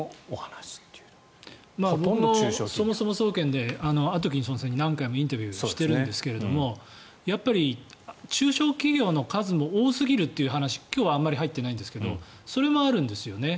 そもそも総研でアトキンソンさんに何回もインタビューしてるんですけれどもやっぱり中小企業の数も多すぎるという話今日はあまり入ってないんですけどそれもあるんですよね。